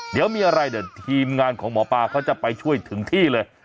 เดี๋ยวมีอะไรเดี๋ยวทีมงานของหมอปลาเขาจะไปช่วยถึงที่เลย